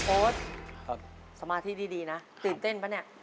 โอ๊ตสมาธิดีนะตื่นเต้นปะเนี่ย